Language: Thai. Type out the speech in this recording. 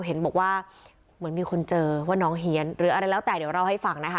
เห็นบอกว่าเหมือนมีคนเจอว่าน้องเฮียนหรืออะไรแล้วแต่เดี๋ยวเล่าให้ฟังนะคะ